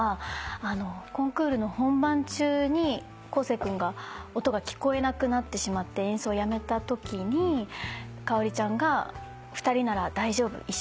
コンクールの本番中に公生君が音が聞こえなくなってしまって演奏をやめたときにかをりちゃんが２人なら大丈夫。